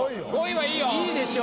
・いいでしょ